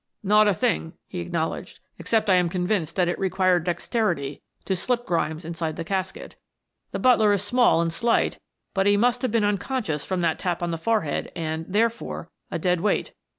"Not a thing," he acknowledged. "Except I am convinced that it required dexterity to slip Grimes inside the casket. The butler is small and slight, but he must have been unconscious from that tap on the forehead and, therefore, a dead weight.